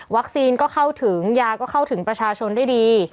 ก็เข้าถึงยาก็เข้าถึงประชาชนได้ดี